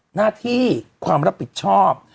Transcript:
หน้าที่ความรับผิดชอบ